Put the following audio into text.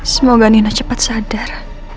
semoga nina cepat sadar